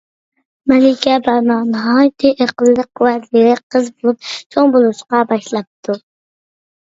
مەلىكە بەرنا ناھايىتى ئەقىللىق ۋە زېرەك قىز بولۇپ چوڭ بولۇشقا باشلاپتۇ.